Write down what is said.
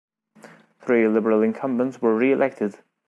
Three Liberal incumbents were re-elected.